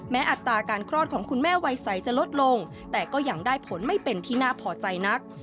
อัตราการคลอดของคุณแม่วัยใสจะลดลงแต่ก็ยังได้ผลไม่เป็นที่น่าพอใจนัก